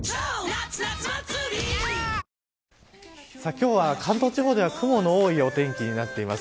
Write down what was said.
今日は関東地方では雲の多い天気になっています。